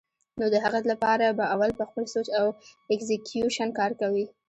نو د هغې له پاره به اول پۀ خپل سوچ او اېکزیکيوشن کار کوي